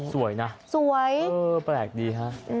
สวยปรากฎดี